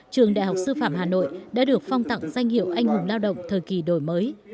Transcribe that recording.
trường đại học sư phạm hà nội đã được phong tặng danh hiệu anh hùng lao động thời kỳ đổi mới